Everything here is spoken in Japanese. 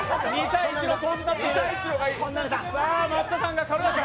松下さんが軽やか。